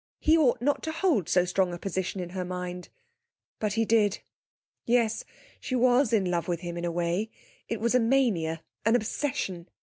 He ought not to hold so strong a position in her mind. But he did. Yes, she was in love with him in a way it was a mania, an obsession.